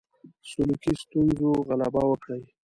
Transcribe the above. سلوکي ستونزو غلبه وکړي.